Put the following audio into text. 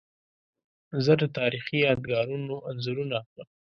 زه د تاریخي یادګارونو انځورونه اخلم.